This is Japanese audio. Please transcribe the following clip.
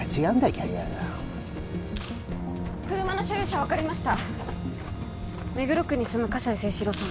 キャリアが車の所有者分かりました目黒区に住む葛西征四郎さん